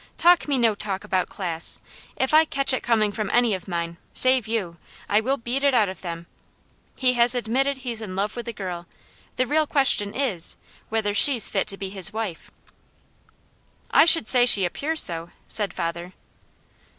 Talk me no talk about class! If I catch it coming from any of mine, save you, I will beat it out of them. He has admitted he's in love with the girl; the real question is, whether she's fit to be his wife." "I should say she appears so," said father.